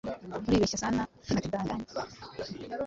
Uribeshya sana una kidanganya